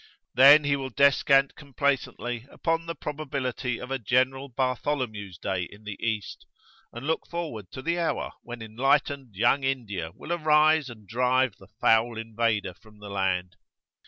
Then he will descant complacently upon the probability of a general Bartholomew's Day in the East, and look forward to the hour when enlightened Young India will arise and drive the "foul invader" from the land.